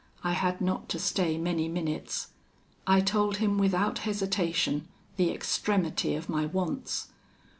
I had not to stay many minutes. I told him without hesitation the extremity of my wants.